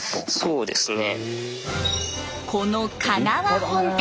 そうですね。